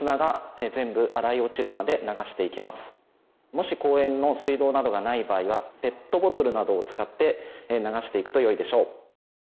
もし公園の水道などがない場合はペットボトルなどを使って流していくとよいでしょう。